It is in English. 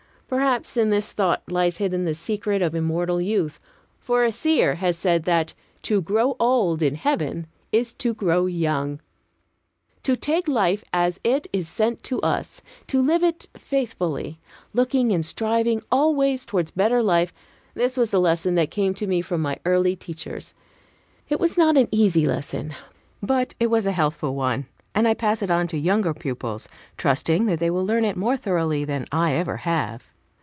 Perhaps in this thought lies hidden the secret of immortal youth; for a seer has said that "to grow old in heaven is to grow young." To take life as it is sent to us, to live it faithfully, looking and striving always towards better life, this was the lesson that came to me from my early teachers. It was not an easy lesson, but it was a healthful one; and I pass it on to younger pupils, trusting that they will learn it more thoroughly than I ever have.